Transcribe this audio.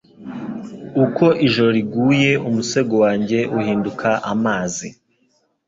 Uko ijoro riguye umusego wanjye uhinduka amazi